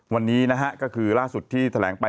วันนี้นะฮะก็คือล่าสุดที่แถลงไป